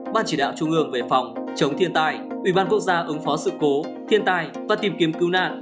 ban chỉ đạo trung ương về phòng chống thiên tai ubnd ứng phó sự cố thiên tai và tìm kiếm cứu nạn